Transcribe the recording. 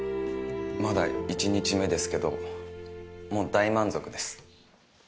まだ１日目ですけどもう大満足です。